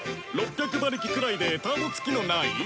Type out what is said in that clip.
６００馬力くらいでターボ付きのない？